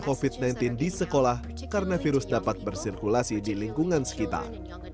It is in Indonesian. covid sembilan belas di sekolah karena virus dapat bersirkulasi di lingkungan sekitar